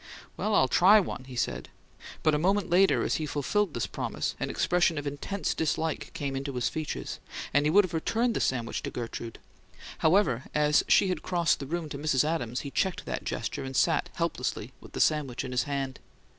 "Well, I'll TRY one," he said, but a moment later, as he fulfilled this promise, an expression of intense dislike came upon his features, and he would have returned the sandwich to Gertrude. However, as she had crossed the room to Mrs. Adams he checked the gesture, and sat helplessly, with the sandwich in his hand.